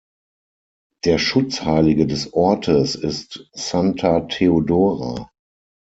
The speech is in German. Der Schutzheilige des Ortes ist "Santa Teodora".